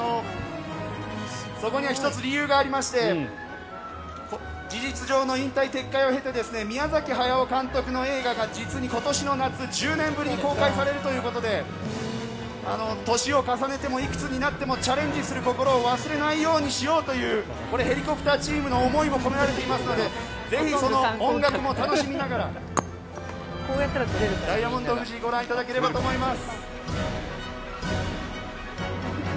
そこには１つ理由がありまして事実上の引退撤回を経て宮崎駿監督の映画が実に今年の夏、１０年ぶりに公開されるということで年を重ねてもいくつになってもチャレンジする心を忘れないようにしようというヘリコプターチームの思いも込められていますのでぜひ、その音楽も楽しみながらダイヤモンド富士ご覧いただければと思います。